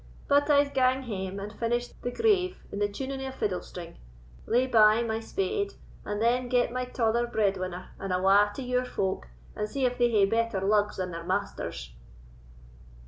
But I'se gang hame, and finish the grave in the tuning o' a fiddle string, lay by my spade, and then get my tother bread winner, and awa' to your folk, and see if they hae better lugs than their masters."